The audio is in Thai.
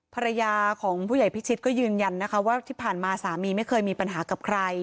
ภรรยาของผู้ใหญ่พิชิตก็ยืนยันนะคะว่าที่ผ่านมาสามีไม่เคยมีปัญหากับใคร